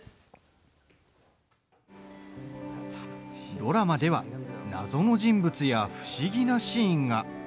ドラマでは謎の人物や不思議なシーンが。